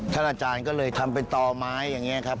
อาจารย์ก็เลยทำเป็นต่อไม้อย่างนี้ครับ